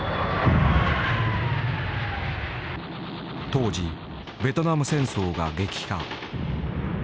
当時ベトナム戦争が激化。